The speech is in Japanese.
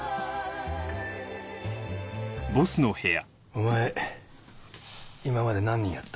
お前今まで何人やった？